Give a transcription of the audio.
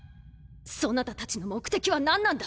そなたたちの目的は何なんだ！